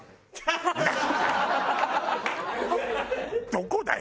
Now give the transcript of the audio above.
どこだよ！